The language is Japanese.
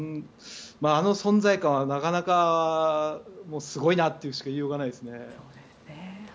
あの存在感はなかなかすごいなとしか言いようがないですね。